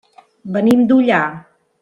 Venim d'Ullà.